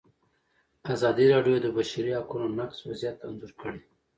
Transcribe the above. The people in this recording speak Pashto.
ازادي راډیو د د بشري حقونو نقض وضعیت انځور کړی.